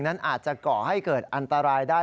นั้นอาจจะก่อให้เกิดอันตรายได้